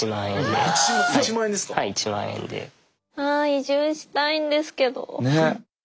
あ移住したいんですけど。